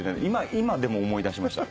今でも思い出しました。